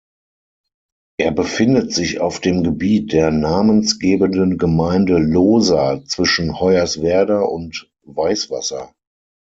Er befindet sich auf dem Gebiet der namensgebenden Gemeinde Lohsa zwischen Hoyerswerda und Weißwasser.